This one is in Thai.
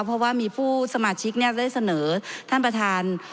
เพราะว่ามีผู้สมาชิกได้เสนอท่านประธาน